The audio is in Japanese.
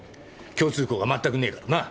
共通項が全くねえからな。